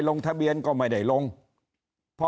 สวัสดีครับท่านผู้ชมครับสวัสดีครับท่านผู้ชมครับ